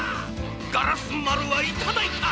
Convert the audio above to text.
ガラスまるはいただいた！